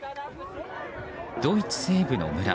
ドイツ西部の村。